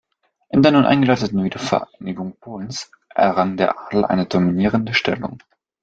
In der nun eingeleiteten Wiedervereinigung Polens errang der Adel eine dominierende Stellung.